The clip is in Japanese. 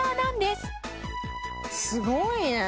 すごいね！